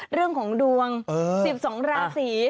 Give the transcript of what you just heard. เรื่องของดวง๑๒ราศี